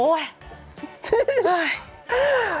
โอ้โฮ